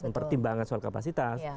mempertimbangkan soal kapasitas